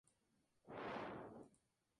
Esto aporta muy poca entropía.